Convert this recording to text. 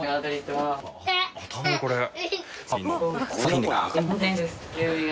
はい。